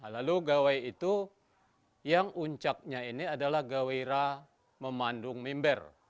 lalu gawai itu yang uncaknya ini adalah gawira memandung mimber